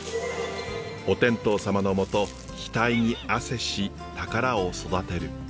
お天道様の下額に汗し宝を育てる。